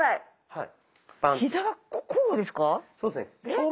はい。